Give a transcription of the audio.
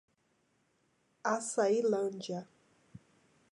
Açailândia